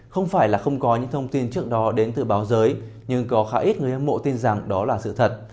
không phải là không có những thông tin trước đó đến từ báo giới nhưng có khá ít người hâm mộ tin rằng đó là sự thật